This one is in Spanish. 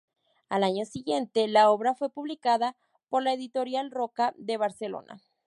Al año siguiente la obra fue publicada por la editorial Roca de Barcelona.